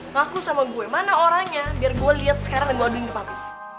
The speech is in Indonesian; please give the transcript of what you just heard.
laku sama gue mana orangnya biar gue liat sekarang dan gue aduin ke papi